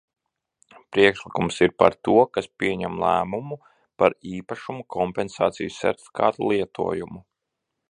Priekšlikums ir par to, kas pieņem lēmumu par īpašuma kompensācijas sertifikātu lietojumu.